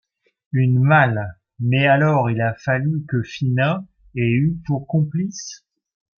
Une malle, mais alors il a fallu que Phina ait eu pour complice…